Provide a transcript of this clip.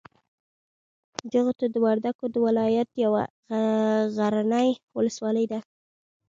جغتو د وردګو د ولایت یوه غرنۍ ولسوالي ده.